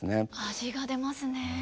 味が出ますね。